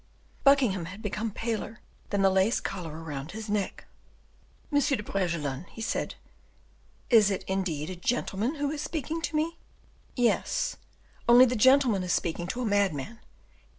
Buckingham had become paler than the lace collar around his neck. "M. de Bragelonne," he said, "is it, indeed, a gentleman who is speaking to me?" "Yes; only the gentleman is speaking to a madman.